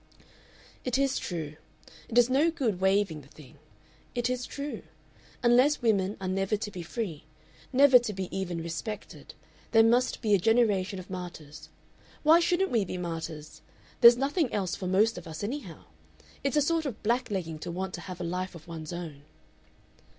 "It is true. It is no good waiving the thing; it is true. Unless women are never to be free, never to be even respected, there must be a generation of martyrs.... Why shouldn't we be martyrs? There's nothing else for most of us, anyhow. It's a sort of blacklegging to want to have a life of one's own...."